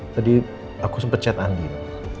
tadi aku sempet chat andien